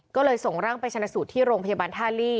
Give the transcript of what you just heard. ก็เลยส่งร่างไปชนะสูตรที่โรงพยาบาลท่าลี่